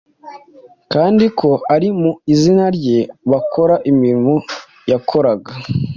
kandi ko ari mu izina rye bakora imirimo yakoraga.